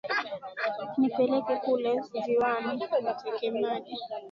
Nipeleke kule ziwani niteke maji.